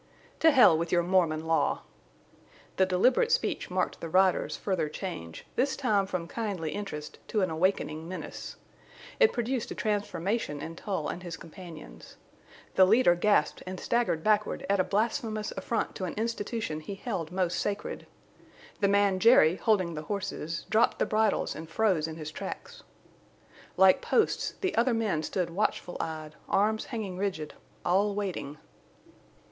"To hell with your Mormon law!" The deliberate speech marked the rider's further change, this time from kindly interest to an awakening menace. It produced a transformation in Tull and his companions. The leader gasped and staggered backward at a blasphemous affront to an institution he held most sacred. The man Jerry, holding the horses, dropped the bridles and froze in his tracks. Like posts the other men stood watchful eyed, arms hanging rigid, all waiting.